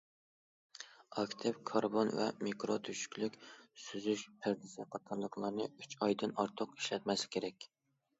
ئاكتىپ كاربون ۋە مىكرو تۆشۈكلۈك سۈزۈش پەردىسى قاتارلىقلارنى ئۈچ ئايدىن ئارتۇق ئىشلەتمەسلىك كېرەك.